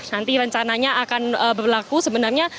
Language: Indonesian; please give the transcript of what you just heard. nanti rencananya akan berlaku sebenarnya